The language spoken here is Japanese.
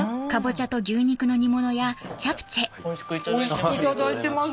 おいしくいただいてます